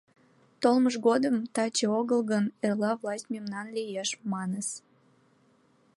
Толмыж годым, таче огыл гын, эрла власть мемнан лиеш, маньыс.